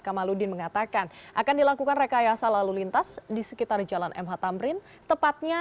kamaludin mengatakan akan dilakukan rekayasa lalu lintas di sekitar jalan mh tamrin tepatnya